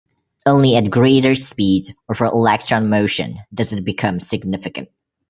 Only at greater speeds, or for electron motion, does it become significant.